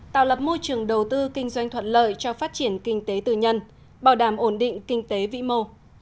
tạo lập môi trường đầu tư kinh doanh thuận lợi cho phát triển kinh tế tư nhân bảo đảm ổn định kinh tế vĩ mô